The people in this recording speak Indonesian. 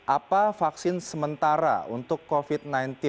apa vaksin sementara untuk covid sembilan belas